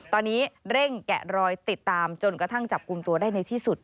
ตอนนี้เร่งแกะรอยติดตามจนกระทั่งจับกลุ่มตัวได้ในที่สุด